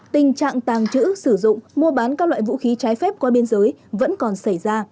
tình trạng tàng trữ sử dụng mua bán các loại vũ khí trái phép qua biên giới vẫn còn xảy ra